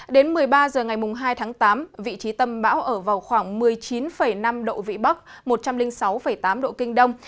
đến một mươi ba h ngày hai tháng tám vị trí tâm bão ở vào khoảng một mươi chín năm độ vĩ bắc một trăm linh sáu tám độ kinh đông